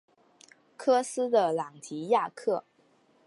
科斯的朗提亚克。